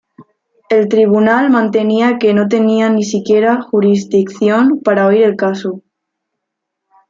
El tribunal mantenía que no tenía ni siquiera jurisdicción para oír el caso.